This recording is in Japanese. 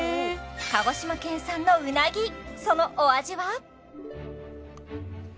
鹿児島県産のうなぎそのお味は？